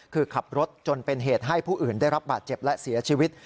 คือขับรถจนเป็นเหตุให้ผู้อื่นได้รับบาดเจ็บและเสียชีวิต